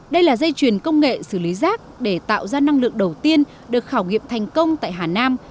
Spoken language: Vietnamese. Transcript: đây là dây chuyền công nghệ xử lý rác để tạo ra năng lượng đầu tiên được khảo nghiệm thành công tại hà nam